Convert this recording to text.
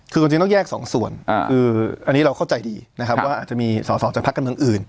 คือจริงต้องแยกสองส่วนอันนี้เราเข้าใจดีว่าอาจจะมีสสจังพรรคกันเมืองอื่น